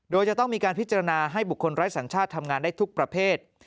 โดยจะต้องมีการพิจารณาให้บุคคลไร้สัญชาติทำงานได้ทุกประเภท